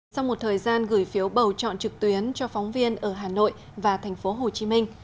sau một thời gian gửi phiếu bầu chọn trực tuyến cho phóng viên ở hà nội và thành phố hồ chí minh